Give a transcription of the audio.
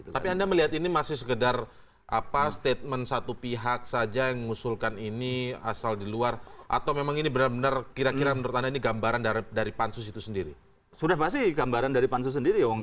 tapi anda melihat ini masih sekedar statement satu pihak saja yang mengusulkan ini asal di luar atau memang ini benar benar kira kira menurut anda ini gambaran dari pemerintah